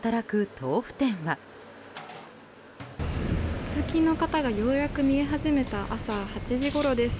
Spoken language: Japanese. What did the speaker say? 通勤の方がようやく見え始めた朝８時ごろです。